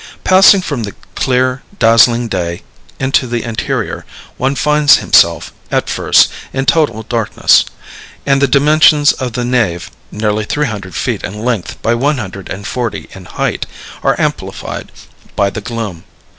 Passing from the clear, dazzling day into the interior, one finds himself, at first, in total darkness; and the dimensions of the nave nearly three hundred feet in length by one hundred and forty in height are amplified by the gloom.